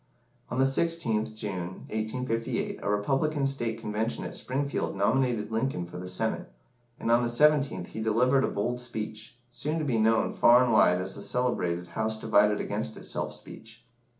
On the 16th June, 1858, a Republican State Convention at Springfield nominated Lincoln for the Senate, and on the 17th he delivered a bold speech, soon to be known far and wide as the celebrated "House divided against itself" speech.